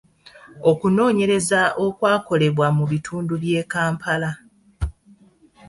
Okunoonyereza okwakolebwa mu bitundu by’e Kampala.